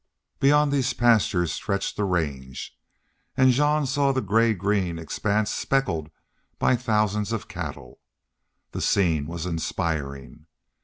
Beyond these pastures stretched the range, and Jean saw the gray green expanse speckled by thousands of cattle. The scene was inspiring.